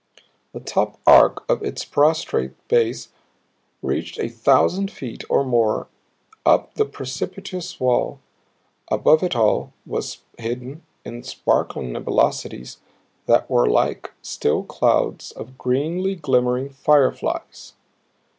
The top arc of its prostrate base reached a thousand feet or more up the precipitous wall; above it all was hidden in sparkling nebulosities that were like still clouds of greenly glimmering fire flies.